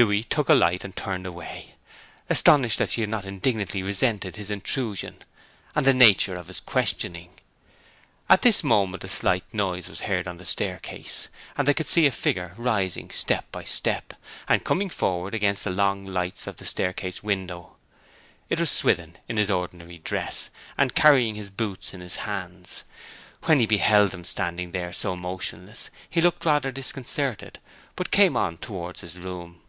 Louis took a light, and turned away, astonished that she had not indignantly resented his intrusion and the nature of his questioning. At this moment a slight noise was heard on the staircase, and they could see a figure rising step by step, and coming forward against the long lights of the staircase window. It was Swithin, in his ordinary dress, and carrying his boots in his hand. When he beheld them standing there so motionless, he looked rather disconcerted, but came on towards his room.